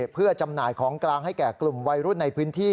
เพื่อจำหน่ายของกลางให้แก่กลุ่มวัยรุ่นในพื้นที่